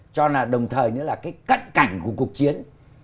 cho là đồng thời nữa là cái cắt cảnh của cuộc chiến